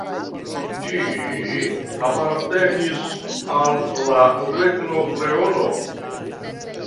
Ĝi apartenis al la Regno Leono.